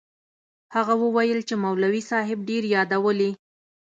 هغه وويل چې مولوي صاحب ډېر يادولې.